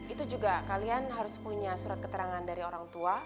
itu juga kalian harus punya surat keterangan dari orang tua